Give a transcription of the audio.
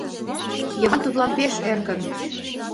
Йыван тудлан пеш эркын